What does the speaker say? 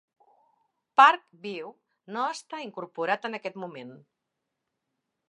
Park View no està incorporat en aquest moment.